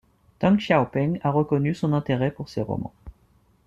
Deng Xiaoping a reconnu son intérêt pour ses romans.